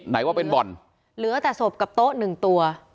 ไหนว่าเป็นบ่อนเหลือแต่ศพกับโต๊ะหนึ่งตัว